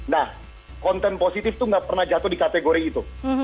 nah konten positif itu nggak pernah jatuh di kategori itu